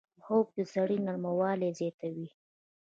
خوب د سړي نرموالی زیاتوي